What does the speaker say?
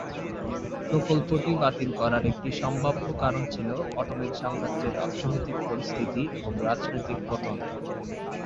প্রকল্পটি বাতিল করার একটি সম্ভাব্য কারণ ছিল অটোমান সাম্রাজ্যের অর্থনৈতিক পরিস্থিতি এবং রাজনৈতিক পতন।